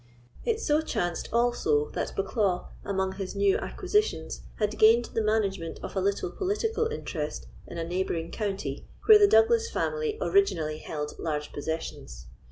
It so chanced, also, that Bucklaw, among his new acquisitions, had gained the management of a little political interest in a neighbouring county where the Douglas family originally held large possessions.